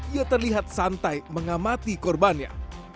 ia terlihat santai mengamati korbannya